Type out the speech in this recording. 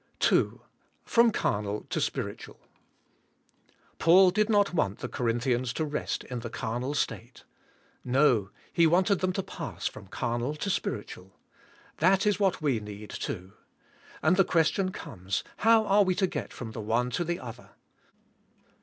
II. FROM CARNAIv TO SPIRITUAL. Paul did not want the Corinthians to rest in the carnal state. No ! He wanted them to pass from carnal to spiritual. That is what we need too. And the question comes, how are we to g et from the one to the other?